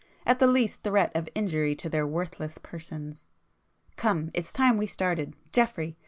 at the least threat of injury to their worthless persons. Come, it's time we started, Geoffrey!